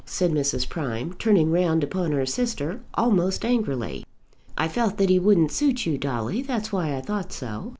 said Mrs. Prime, turning round upon her sister, almost angrily. "I felt that he wouldn't suit you, Dolly; that's why I thought so.